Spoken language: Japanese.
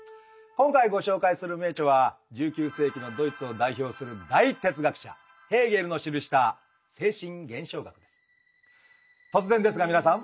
今回ご紹介する名著は１９世紀のドイツを代表する大哲学者ヘーゲルの記した「精神現象学」です。